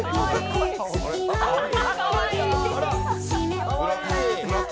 かわいい。